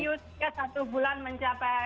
view satu bulan mencapai